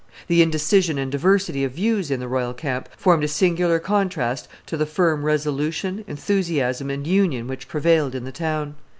The indecision and diversity of views in the royal camp formed a singular contrast to the firm resolution, enthusiasm, and union which prevailed in the town.